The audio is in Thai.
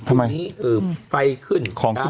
ตอนนี้เออไฟขึ้นดาบขึ้น